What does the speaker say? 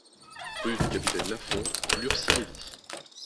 Rue du Capitaine Lafond, Lurcy-Lévis